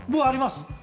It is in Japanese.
あります。